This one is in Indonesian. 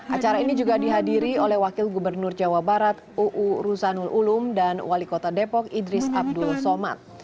acara ini juga dihadiri oleh wakil gubernur jawa barat uu ruzanul ulum dan wali kota depok idris abdul somad